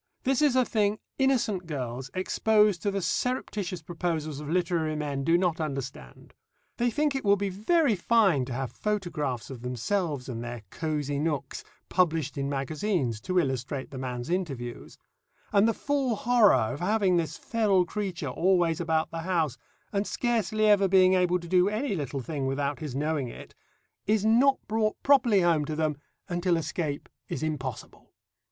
This is a thing innocent girls exposed to the surreptitious proposals of literary men do not understand. They think it will be very fine to have photographs of themselves and their "cosy nooks" published in magazines, to illustrate the man's interviews, and the full horror of having this feral creature always about the house, and scarcely ever being able to do any little thing without his knowing it, is not brought properly home to them until escape is impossible.